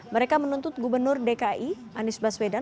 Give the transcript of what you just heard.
mereka menuntut gubernur dki anies baswedan